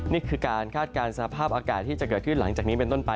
นี่คือการคาดการณ์สภาพอากาศที่จะเกิดขึ้นหลังจากนี้เป็นต้นไป